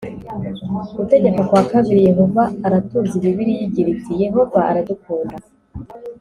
Gutegeka kwa Kabiri Yehova aratuzi Bibiliya igira iti yehova aradukunda